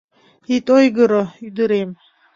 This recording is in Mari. Ит ойгыро, ӱдырем.